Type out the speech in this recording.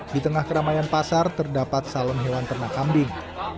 di tengah keramaian pasar terdapat salon hewan ternak kambing